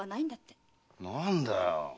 何だよ。